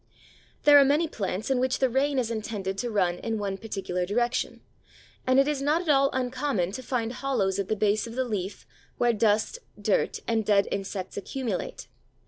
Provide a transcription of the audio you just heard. There are many plants in which the rain is intended to run in one particular direction, and it is not at all uncommon to find hollows at the base of the leaf where dust, dirt, and dead insects accumulate.